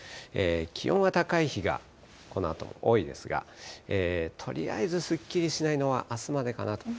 気温は高い日がこのあとも多いですが、とりあえずすっきりしないのはあすまでかなと。